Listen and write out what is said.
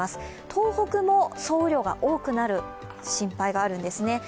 東北も総雨量が多くなる心配があるんですね。